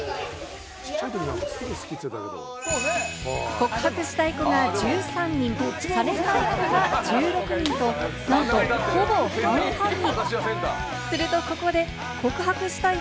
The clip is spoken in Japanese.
告白したい子が１３人、されたい子が１６人と、なんとほぼ半々に。